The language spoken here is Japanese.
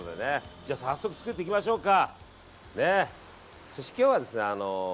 早速作っていきましょうか。